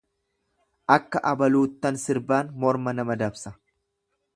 Akka abaluuttan sirbaan morma nama dabsa.